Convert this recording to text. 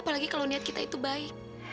apalagi kalau niat kita itu baik